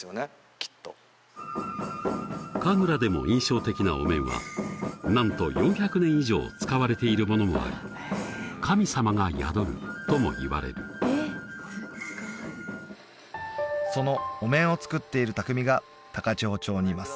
きっと神楽でも印象的なお面はなんと４００年以上使われているものもあり神様が宿るともいわれるそのお面を作っている匠が高千穂町にいます